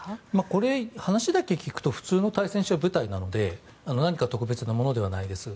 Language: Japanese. これ、話だけ聞くと普通の対戦車部隊なので何か特別なものではないです。